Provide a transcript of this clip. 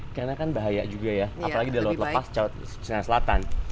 karena kan bahaya juga ya apalagi di laut lepas di sinai selatan